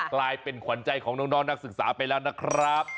กลายเป็นขวัญใจของน้องนักศึกษาไปแล้วนะครับ